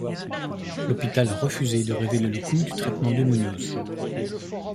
L'hôpital a refusé de révéler le coût du traitement de Muñoz.